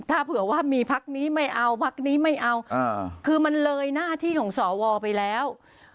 ถ้าเผื่อว่ามีพักนี้ไม่เอาพักนี้ไม่เอาคือมันเลยหน้าที่ของสวไปแล้ว